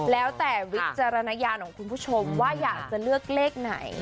แล้วแต่วิจารณญาณของคุณผู้ชมว่าอยากจะเลือกเลขไหน